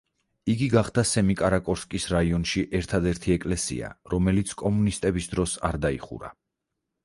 იგი გახდა სემიკარაკორსკის რაიონში ერთადერთი ეკლესია, რომელიც კომუნისტების დროს არ დაიხურა.